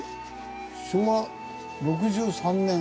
「昭和６３年」。